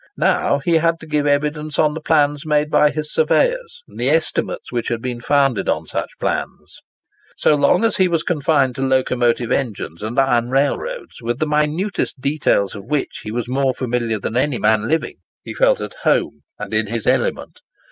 Now, he had to give evidence on the plans made by his surveyors, and the estimates which had been founded on such plans. So long as he was confined to locomotive engines and iron railroads, with the minutest details of which he was more familiar than any man living, he felt at home, and in his element.